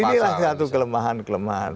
inilah satu kelemahan kelemahan